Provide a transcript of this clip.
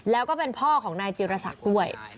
แล้วก็เป็นพ่อของนายจิรษักด้วย